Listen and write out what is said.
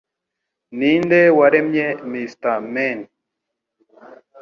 Ninde waremye Mr Men